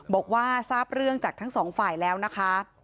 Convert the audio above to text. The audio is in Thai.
บอกว่าทราบเรื่องจากทั้งสองฝ่ายแล้วนะคะ